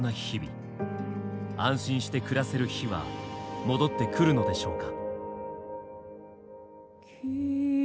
安心して暮らせる日は戻ってくるのでしょうか？